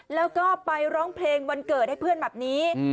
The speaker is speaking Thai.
แล้วก็ไปร้องเพลงวันเกิดให้เพื่อนแบบนี้